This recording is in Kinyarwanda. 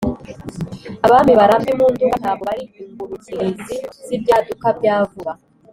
abami barambye mu nduga, ntabwo bari ingurukirizi z’ibyaduka bya vuba.